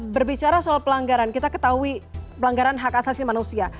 berbicara soal pelanggaran kita ketahui pelanggaran hak asasi manusia